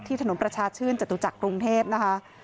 ที่ถนนประชาชื่นจัดโทรจักรุงเทศนะคะ